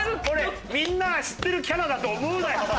これみんなが知ってるキャラだと思うなよ。